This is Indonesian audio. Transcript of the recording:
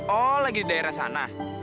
oh lagi di daerah sana